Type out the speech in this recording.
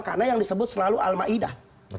karena yang disebut selalu al ma'idah